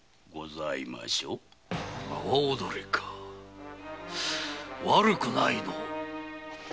阿波踊りか悪くないのう。